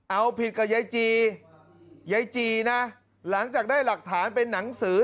เอาผิดกับยายจียายจีนะหลังจากได้หลักฐานเป็นหนังสือ